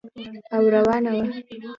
او روانه وه.